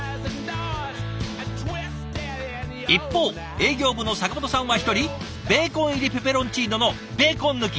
一方営業部の阪本さんは１人ベーコン入りペペロンチーノのベーコン抜き。